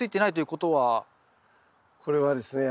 これはですね